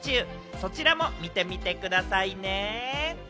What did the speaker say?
そちらも見てみてくださいね！